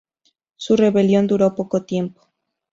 Su rebelión duró poco tiempo.